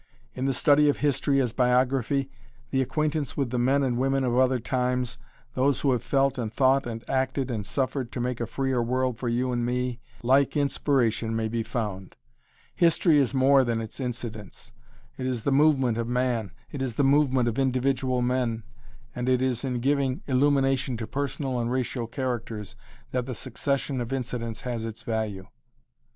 In the study of history as biography, the acquaintance with the men and women of other times, those who have felt and thought and acted and suffered to make a freer world for you and me, like inspiration may be found. History is more than its incidents. It is the movement of man. It is the movement of individual men, and it is in giving illumination to personal and racial characters that the succession of incidents has its value.